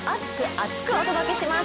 厚く！お届けします。